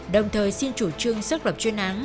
đồng thời xin chủ trương xác lập chuyên án